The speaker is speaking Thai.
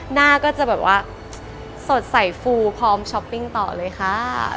หน้าก็จะแบบว่าสดใสฟูพร้อมช้อปปิ้งต่อเลยค่ะ